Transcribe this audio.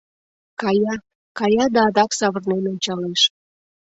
Кая, кая да адак савырнен ончалеш.